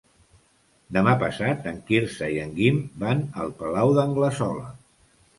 Demà passat en Quirze i en Guim van al Palau d'Anglesola.